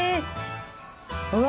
うわ！